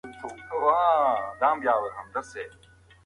کورنۍ مهمه ده.